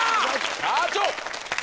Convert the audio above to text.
社長！